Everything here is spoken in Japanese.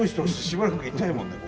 しばらくいたいもんね